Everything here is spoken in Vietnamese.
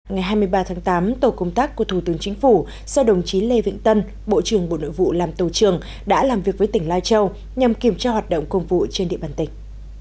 ngày hai mươi ba tháng tám tổ công tác của thủ tướng chính phủ do đồng chí lê vĩnh tân bộ trưởng bộ nội vụ làm tổ trường đã làm việc với tỉnh lai châu nhằm kiểm tra hoạt động công vụ trên địa bàn tỉnh